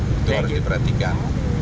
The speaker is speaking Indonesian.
itu harus diperhatikan